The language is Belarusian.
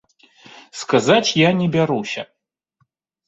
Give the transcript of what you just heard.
Сказаць я не бяруся.